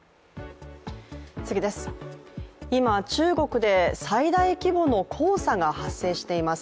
今、中国で最大規模の黄砂が発生しています。